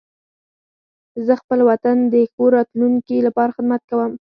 زه خپل وطن د ښه راتلونکي لپاره خدمت کوم.